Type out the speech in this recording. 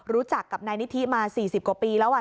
รู้จักกับนายนิธิมา๔๐กว่าปีแล้ว